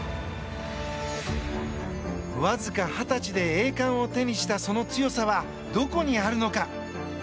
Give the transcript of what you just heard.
わずか二十歳で栄冠を手にしたその強さはどこにあるのか。